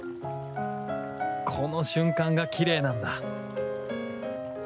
この瞬間がきれいなんだ